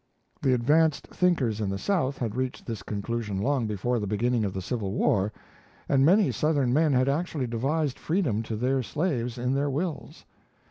The advanced thinkers in the South had reached this conclusion long before the beginning of the Civil War, and many Southern men had actually devised freedom to their slaves in their wills.